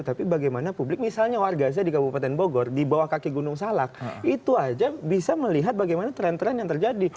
tapi bagaimana publik misalnya warga saya di kabupaten bogor di bawah kaki gunung salak itu aja bisa melihat bagaimana tren tren yang terjadi